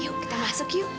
yuk kita masuk yuk